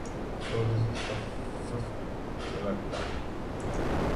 He was educated at Portsmouth Grammar School.